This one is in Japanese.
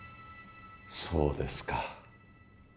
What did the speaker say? そうですか。